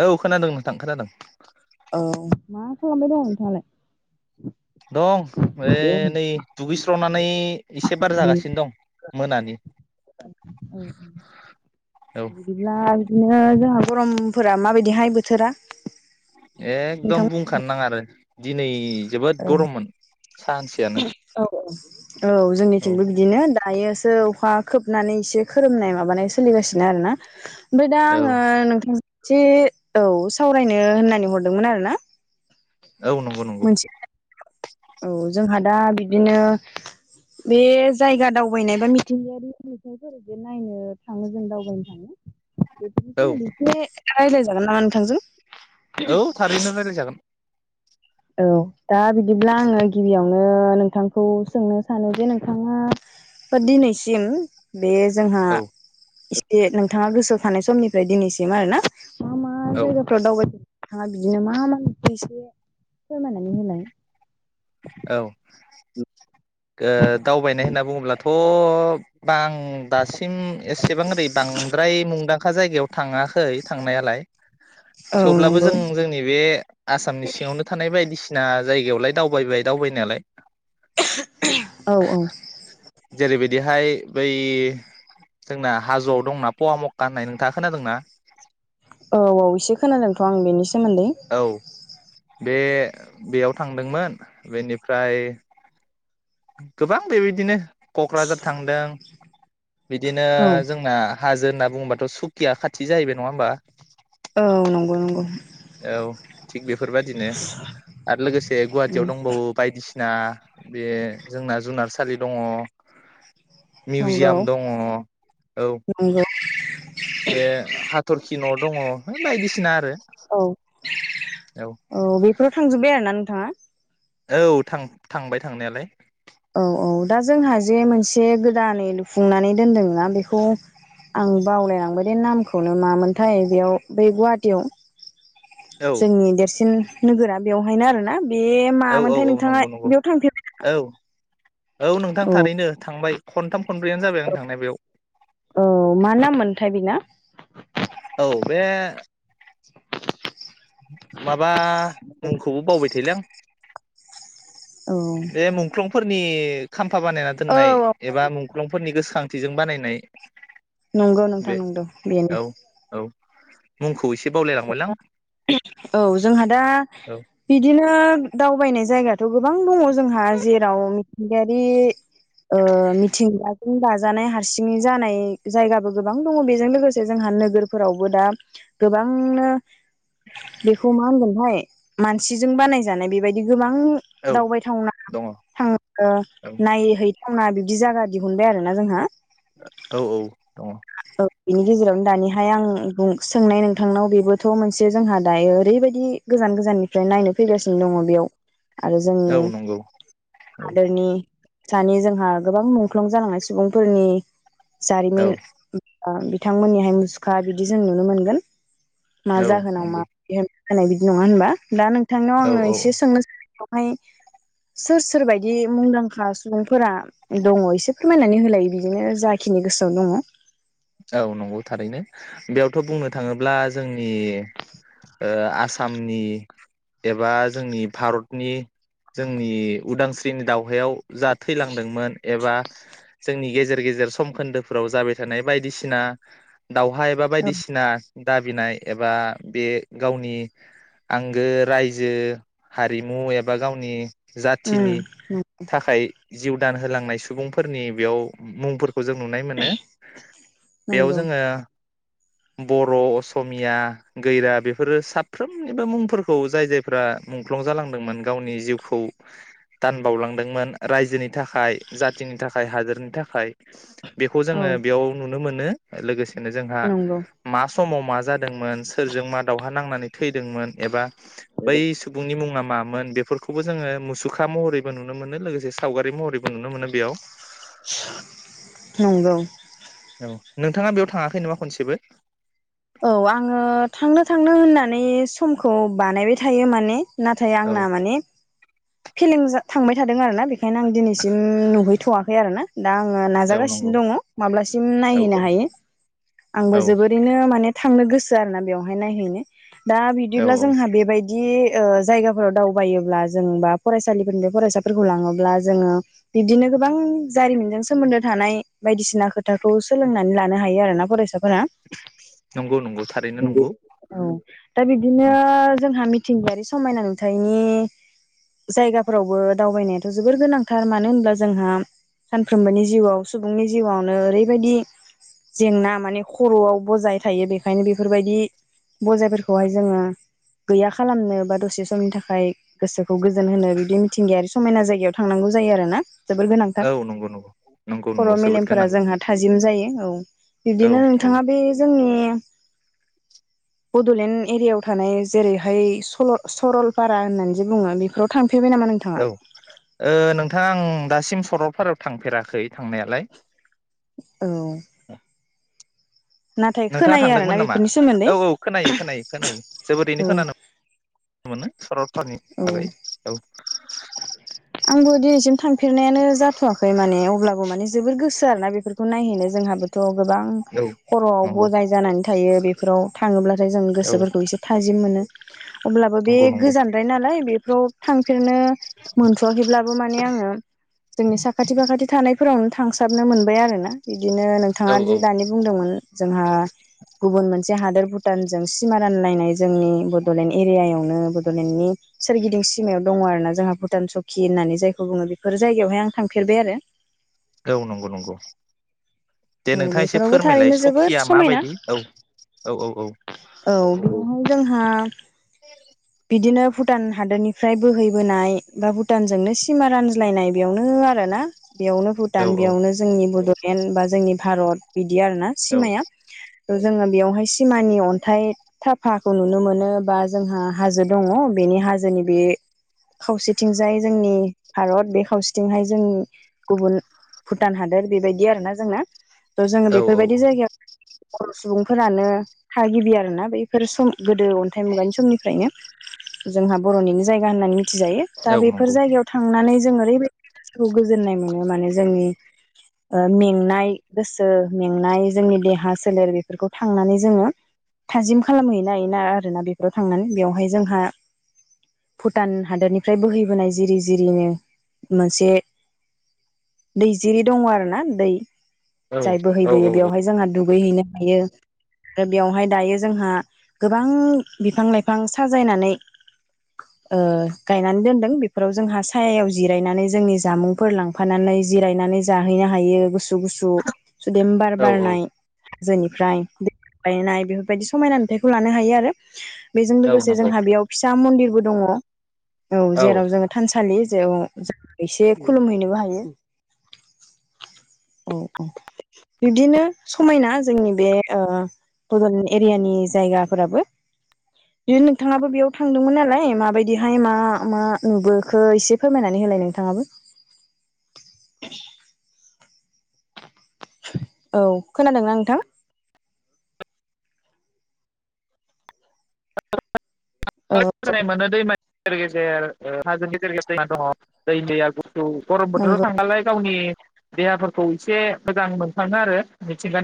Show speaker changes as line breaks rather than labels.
औ खोनादों नोंथां खोनादों।
औ मा खालामबाय दं नोंथाङालाय?
दं बे नै दुगैस्रनानै एसे बार जागासिनो दं मोनानि।
औ
औ
बिदिब्ला बिदिनो ओ जोंहा गरमफोरा माबायदिहाय बोथोरा?
एकदम
नोंथांमोन
बुंखानो नाङा आरो दिनै जोबोद गरममोन। सानसेयानो।
[inaudible] औ
औ
जोंनिथिंबो बिदिनो दा दायोसो अखा खोबनानै एसे खोरोमनाय माबानाय सोलिगासिनो आरो ना। ओमफ्राय दा
औ
आङो नोंथां एसे औ सावरायनो होननानै हरदोंमोन आरो ना।
औ नंगौ नंगौ।
औ जोंहा दा बिदिनो बे जायगा दावबायनाय बा मिथिंगायारि नुथायफोरखौ नायनो थाङो जों दावबायनो थाङो। बेफोरनि
औ
सोमोन्दै एसे रायलायजागोन नामा नोंथांजों?
औ थारैनो रायलाय जागोन।
औ दा बिदिब्ला आङो गिबियावनो नोंथांखौ सोंनो सानो जे नोंथाङा दिनैसिम बे जोंहा
औ
दि नोंथाङा गोसोआव थानाय समनिफ्राय दिनैसिम आरो ना मा मा
औ
जायगाफ्राव दावबाय [inaudible] नोंथाङा बिदिनो मा मा [inaudible] फोरमायनानै होलाय
औ दावबायनाय ओ होनना बुङोब्लाथ' आं दासिम एसेबां ओरै बांद्राय मुंदां खा जायगायाव थाङाखै थांनायालाय।
औ
थेवब्लाबो
नंगौ
जों जोंनि बे आसामनि सिङावनो थानाय बायदिसि सिना जायगायावलाय दावबायबाय दावबायनायालाय।
औ औ।
जेरैबायदिहाय बै जोंना हाजोआव दंना पवा मकका होननाय नोंथाङा खोनादोंना?
औ औ एसे खोनादोंथ‌' आं बेनिस मोनदै।
औ बे बेयाव थांदोंमोन बेनिफ्राय गोबां बेेबायदिनो कक्राझार थांदों बिदिनो
औ
जोंना हाजो होनना बुंबाथ' सुकिया खाथि जाहैबाय नङा होमबा?
औ नंगौ नंगौ।
औ थिग बेफ बेफोरबायाददिनो आरो लोगोसे गुवाहाटियाव दंबावो बायदिसि ना बे जोंना जुनारसालि दङ।
नंगौ
मिउजियाम दङ औ।
[inaudible]
बे हाथरखि न' दङ हो बायदिसिना आरो।
औ [inaudible] औ बेफोराव थांजोब्बाय आरोना नों थाङा
औ थां थांबाय थांनायालाय।
औ औ दा जोंहा जे मोनसे गोदानै लुफुंनानै दोनदों ना बेखौ आं बावलायलांबाय दे नामखौनो मामोनथाय बेयाव बै गुवाहाटियाव
औ
जोंनि देरसिन नोगोरा बेवहायनो आरो ना। बे
औ औ
मामोनथाय
औ
नोंथाङा
नंगौ नंगौ
बेयाव थांफेर
औ औ नोंथां थारैनो थांबाय। खन्थाम
[inaudible] औ मा नाममोनथाय बिना?
औ बे मा? माबा मुंखौबो बावबाय थायोलां।
औ
बे मुंख्लंफो फोनि खाम फा बानायना
औ
दोननाय
औ
एबा मुंख्लंफोरनि गोसोखांथिजों बानायनाय
नंगौ नोंथां नंदो बेनो।
मुंखो खौ एसे बावलायलांबायलां।
औ जोंहा दा
औ
बिदिनो दावबायनाय जायगायाथ गोबां दङ जोंहा जेराव गायारि ओ मिथिंगाजों दाजानाय हारसिङै जानाय जायगाबो गोबां दङ बेजों लोगोसे जोंहा नोगोरफोरावबो दा गोबां बांनो बेखौ मा होनगोनथाय मानसिजों बानायजानाय बेबायदि गोबां बां
औ
दावबायथावना
दङ औ
थां ओ नायहै वना बिबदि जागा दिहुनबाय आरो ना जोंहा
औ औ दङ
[inaudible] बिनि गेजेरावनो दानिया थाय आं बुं सोंनाय नों थांनाय बेबोथ मोनसे जोंहा दायो ओरैबायदि गोजान गोजाननिफ्राय नायनो फैगासिनो दङ बेयाव। आरो जोंनि
औ नंगौ औ
हादोरनि सानि जोंहा गोबां मुंख्लं जालांनाय सुबुंफोरनि
औ
जारिमिन आ बिथांमोननिहाय मुसुखा बिदि जों नुनो मोनगोन। मा
औ
जाहोनाव मा
नंगौ
[unintelligible] होनाय बिदि नङा होनबा दा नों थांनाव
औ
आङो
औ
एसे सोंनो [inaudible] हाय सोर सोर बायदि मुंदांखा सुबुंफोरा दङ एसे फोरमायनानै होलायो बिदिनो जाखिनि गोसोआव दङ।
औ नंगौ थारैनो बेयावथ बुंनो थाङोब्ला जों नि ओ आ सामनि एबा जोंनि भारतनि जोंनि उदांस्रिनि दावहायाव जा थैलांदोंमोन एबा जोंनि गेजेर गेजेर सम खोन्दोफोराव जाबाय थानाय बायदिसिना दावहा एबा
औ
बायदिसिना दाबिनाय एबा बे गावनि आंगो रायजो हारिमु एबा गावनि जाथिनि
उम
थाखाय जिउ दान होलांनाय सुबुंफोरनि बेयाव मुंफोरखौ जों नुनाय मोनो। बेयाव
नंगौ
जोङो बर असमिया गोरिया बेफोरो साफ्रोमनिबो मुंफोरखौ जाय जायफ्रा मुंख्लं जालांदोंमोन गावनि जिउखौ दानबावलांदोंमोन रायजोनि थाखाय जाथिनि थाखाय हादोरनि थाखाय बेखौ
औ
नुनो मोनो लोगोस जोंहा
नंगौ
मास समाव मा जादोंमोन सोरजों मा दावहा नांनानै थैदोंमोन एबा बै सुबुंनि मुङा मा मोन बेफोरखौबो जोङो मुसुखा महरैबो नुनो मोनो लोगोसे सावगारि महरैबो नुनो मोनो बेयाव
नंगौ।
औ नोंथाङा बेयाव थाङाखै नङा खनसेबो?
औ आङो थांनो थांनो होनना नै समखौ बानायबाय थायो माने नाथाय
औ
आंना माने फिलिं थांबाय थादों आरो ना बे ओंखायनो आं दिनैसिम नुहैथ'वाखै आरो ना। दा आङो
औ
नाजागासिनो
नंगौ
दङ माब्लासिम
औ
नायहैनो
औ
हायो आंबो
औ
जोबोरैनो माने थांनो गोसो आरोना बेवहाय नायहैनो। दा
औ
बिदिब्ला
औ
जोंहा बेबायदि जायगाफोराव दावबायोब्ला जों बा फरायसालिफोरनि बे फरायसाफोरखौ लाङोब्ला जोङो बिब्दिनो गोबां जारिमिनजों सोमोन्दो थानाय बायदिसिना खोथाखौ सोलोंनानै लानो हायो आरोना फरायसाफोरा
नंगौ नंगौ थारैनो नंगौ
औ दा बिदिनो
औ
जोंहा मिथिंगायारि समायना नुथायनि जायगाफोरावबो दावबायनायाथ' जोबोर गोनांथार मानो होनब्ला जोंहा सानफ्रोमबोनि जिउआव सुबुंनि जिउआवनो ओरैबायदि जेंना माने खर'आव बजाय थायो बेखायनो बेफोरबायदि बजाय फोरखौहाय जोङो गैया खालामनो बा दसे समनि थाखाय गोसोखौ जोन बिदि मिथिंगायारि समायना जायगायाव थांनांगौ जायो आरो ना। जोबोर गोनांथार
औ नंगौ नंगौ नंगौ
खर'
नंगौ जोबोद
मेलेमफोरा
गोनां
जोंहा थाजिम जायो। औ।
औ
बिदिनो
औ
नोंथाङा बे जोंनि। बडलेण्ड एरियायाव थानाय जेरैहाय सल' सरलपारा होननानै जे बुङो बेखौ
औ नोंथाङा आं दासिम सरलपारायाव थांफेराखै थांनायालाय।
औ। नाथाय
नोंथाङा
खोनायो आरोना
थांदोंमोन नामा
बेफोरनि सोमोन्दै
औ औ खोनायो खोनायो खोनायो। जोबोरैनो
औ
खोनानो मोनो सरल [unintelligible]
औ
बागै [unintelligible]
[inaudible] थांफेरनायानो जाथवाखै माने अब्लाबो माने जोबोर गोसो [inaudible] जाया आरो ना बेफोरखौ नायहैनो जोंहाबोथ। गोबां
औ
खरआव
नंगौ
बजाय जानानै थायो बेफोराव थाङोब्लाथाय जों
औ
गोसोफोरखौ एसे थाजिम मोनो अब्लाबो बे
नंगौ नंगौ
गोजानद्राय नालाय बेफ्राव थांफेरनो मोन सहैब्लाबो माने आङो जोंनि साखाथि फाखाथि थानायफोरावनो थांफेरनो मोनबाय आरोना बिदिनो नोंथाङा दि
औ
दानि बुंदोंमोन जोंहा गुबुन मोनसे हादोर भुटानजों सिमा रानलायनाय जोंनि बडलेण्ड एरियायावनो बडलेण्डनि सोरगिदिं सिमायाव दङ आरो ना जोंहा भुटान सक सखि होननानै जायखौ बुङो बेफोर जायगायावहाय आं थांफेरबाय आरो
औ नंगौ नंगौ दे
औ
नोंथाङा एसे
बेफोरावबो
फोरमायलाय
थारैनो जोबोर
सखिया
समायना
माबायदि औ औ औ औ
औ बेवहाय जोंहा बिदिनो भुटान हादोरनिफ्राय बोहैबोनाय बा भुटानजोंनो सिमा रानज्लायनाय बेयावनो आरोना बेयावनो
औ
भुटान बेयावनो जोंनि बडलेण्ड [inaudible] जोंनि भारत बि बिदि आरो ना
औ
सिमाया जोङो बेयावहाय सिमानि अन्थाइ थाफाखौ नुनो मोनो बा जोंहा हाजो दङ बेनि हाजोनि बे खावसेथिंजाय जोंनि भारत बे खावसेथिंहाय जों गुबुन भुटान हादोर बेबायदि आरोना जोंना जोङो
औ
बेफोरबायदि
औ
जायगायाव बर सुबुंफोरानो थागिबि आरोना बैफोर सम गोदो अन्थाइ मुगानि समनिफ्रायनो जोंहा बरनिनो जायगा होननानै थि जायो दा
औ
बेफोर
नंगौ
जायगायाव थांनानै जों ओरैबायदि गोसोखौ गोजोननाय मोनो माने जोंनि मेंनाय गोसो मेंनाय जोंनि देहा सोलेर बेफोरखौ थांनानै जोङो थाजिम खालामहैनो होना आरोना बेफोराव थांनानै बेवहाय जोंहा भुटान हादोरनिफ्राय बोहैबोनाय जिरि जिरिनो मोनसे दैजिरि दङ आरो ना दै
औ
जाय
औ
बोहैबोयो बेवहाय जोंहा दुगैहैनो हैयो दा बेवहाय दायो जोंहा गोबां बिफां लाइफां साजायनानै ओ गायनानै दोनदों बेफोराव जोंहा सायायाव जिरायनानै जोंनि जामुंफोर लांफानानै जिरायनानै जाहैनो हायो गुसु गुसु सुदेम बार
औ
बारनाय हाजोनिफ्राय बायनाय बेफोरबायदि समायना नुथाइखौ लानो हायो आरो बेजों
औ
लोगोसे
नंगौ
जोंहा बेयाव फिसा मन्दिरबो दङ औ
औ
जेराव जोङो थानसालि जेराव एसे खुलुमहैनोबो हायो औ बिब्दिनो समायना जोंनि बे ओ बडलेण्ड एरियानि जायगाफोराबो बिदिनो नोंथाङाबो बेयाव थांदोंमोन नालाय माबायदिहाय मा मा नुबोखो एसे फोरमायनानै होलाय नोंथाङाबो औ खोनादोंना नोंथां
[inaudible]
औ
[unintelligible] दैमा गेजेर गेजेर ओ हाजो गेजेर गेजेर दैमा दङ दै आ औ गरम बोथोराव
नंगौ
थांबालाय गावनि देहाफोरखौ एसे मोजां मोनखाङो आरो मिथिंगानि